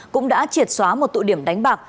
cũng đã triệt xóa một tụ điểm đánh bạc